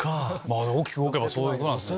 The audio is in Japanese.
大きく動けばそういうことなんですね。